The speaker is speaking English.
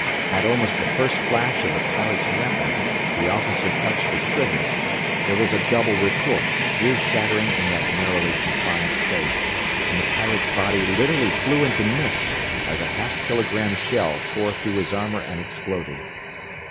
At almost the first flash of the pirate's weapon the officer touched a trigger; there was a double report, ear shattering in that narrowly confined space; and the pirate's body literally flew into mist as a half kilogram shell tore through his armor and exploded.